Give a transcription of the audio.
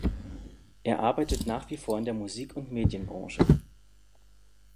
Er arbeitet nach wie vor in der Musik- und Medienbranche.